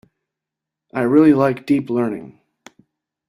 I really like Deep Learning.